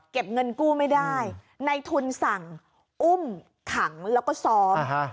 เงินกู้ไม่ได้ในทุนสั่งอุ้มขังแล้วก็ซ้อม